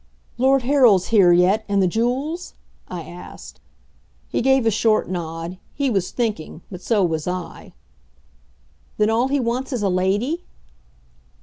"Lord Harold's here yet, and the jewels?" I asked. He gave a short nod. He was thinking. But so was I. "Then all he wants is a Lady?"